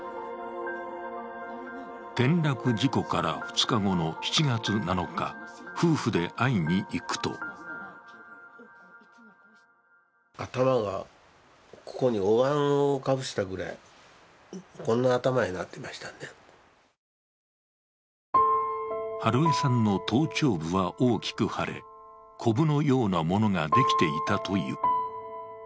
転落事故から２日後の７月７日、夫婦で会いにいくと美枝さんの頭頂部は大きく腫れこぶのようなものができていたという。